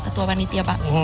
ketua panitia pak